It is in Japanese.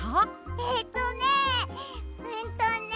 えっとねえんとねえ。